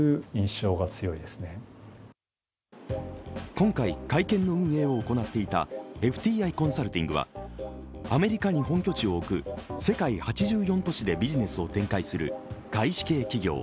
今回、会見の運営を行っていたＦＴＩコンサルティングはアメリカに本拠地を置く世界８４都市でビジネスを展開する外資系企業。